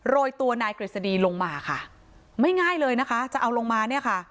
โรยตัวนายกฤษฎีลงมาค่ะไม่ง่ายเลยนะคะจะเอาลงมาเนี่ยค่ะ